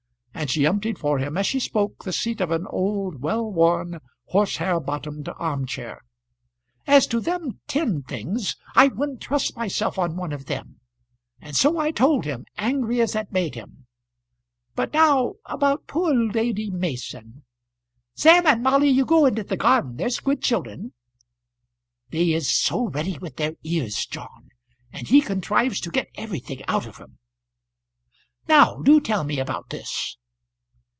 And she emptied for him as she spoke the seat of an old well worn horse hair bottomed arm chair. "As to them tin things I wouldn't trust myself on one of them; and so I told him, angry as it made him. But now about poor Lady Mason . Sam and Molly, you go into the garden, there's good children. They is so ready with their ears, John; and he contrives to get everything out of 'em. Now do tell me about this."